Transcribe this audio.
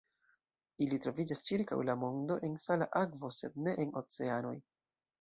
Ili troviĝas ĉirkaŭ la mondo en sala akvo, sed ne en oceanoj.